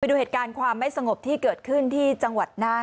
ดูเหตุการณ์ความไม่สงบที่เกิดขึ้นที่จังหวัดน่าน